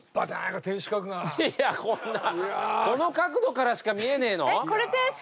こんなこの角度からしか見えねえの？